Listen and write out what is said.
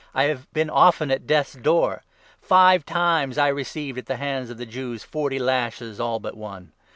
I have been often at death's door. Five 24 times I received at the hands of the Jews forty lashes, all but one.